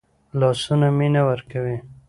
لاسونه مینه ورکوي